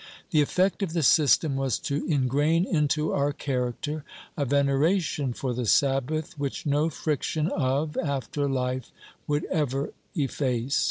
The effect of the system was to ingrain into our character a veneration for the Sabbath which no friction of after life would ever efface.